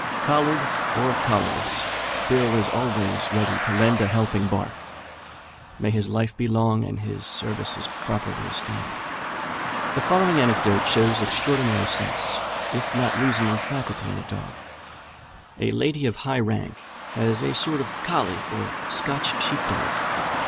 Collared or collarless, Bill is always ready to lend a helping bark. May his life be long, and his services properly esteemed!" The following anecdote shows extraordinary sense, if not reasoning faculty, in a dog: A lady of high rank has a sort of colley, or Scotch sheep dog.